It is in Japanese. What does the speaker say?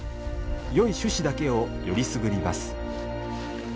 よい種子だけをよりすぐります。